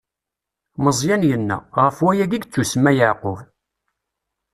Meẓyan yenna: Ɣef wayagi i yettusemma Yeɛqub!